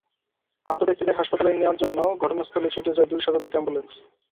আহত ব্যক্তিদের হাসপাতালে নেওয়ার জন্য ঘটনাস্থলে ছুটে যায় দুই শতাধিক অ্যাম্বুলেন্স।